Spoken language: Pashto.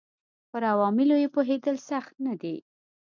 پر عواملو یې پوهېدل سخت نه دي